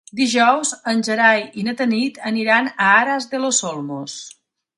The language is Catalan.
Dijous en Gerai i na Tanit aniran a Aras de los Olmos.